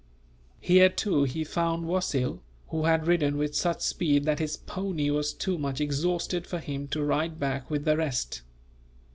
Here, too, he found Wasil, who had ridden with such speed that his pony was too much exhausted for him to ride back with the rest.